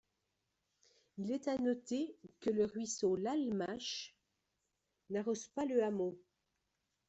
Il est à noter que le ruisseau l'Almache n'arrose pas le hameau.